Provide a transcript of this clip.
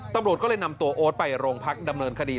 ตำรวจก็เลยนำตัวโอ๊ตไปโรงพักดำเนินคดี